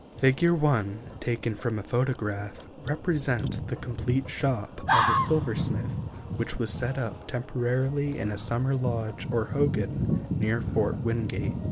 Fig. 1, taken from a photograph, represents the complete shop of a silversmith, which was set up temporarily in a summer lodge or hogan, near Fort Wingate.